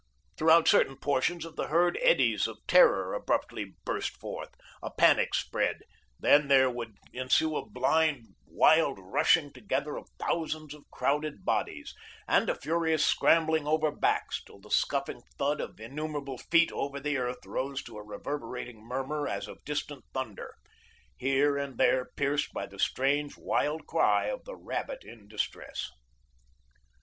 Throughout certain portions of the herd eddies of terror abruptly burst forth. A panic spread; then there would ensue a blind, wild rushing together of thousands of crowded bodies, and a furious scrambling over backs, till the scuffing thud of innumerable feet over the earth rose to a reverberating murmur as of distant thunder, here and there pierced by the strange, wild cry of the rabbit in distress.